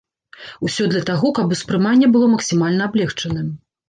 Усё для таго, каб успрыманне было максімальна аблегчаным.